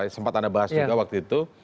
sempat anda bahas juga waktu itu